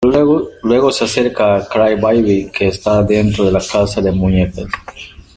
Luego se acerca a Cry Baby, que está dentro de la casa de muñecas.